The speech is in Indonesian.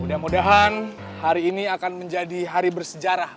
mudah mudahan hari ini akan menjadi hari bersejarah